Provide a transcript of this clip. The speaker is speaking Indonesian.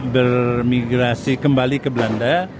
bermigrasi kembali ke belanda